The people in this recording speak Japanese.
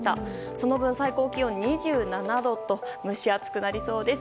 その分、最高気温２７度と蒸し暑くなりそうです。